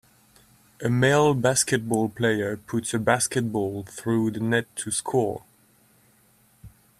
A male basketball player puts a basketball through the net to score